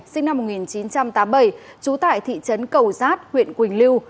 sinh năm một nghìn chín trăm tám mươi bảy trú tại thị trấn cầu giát huyện quỳnh lưu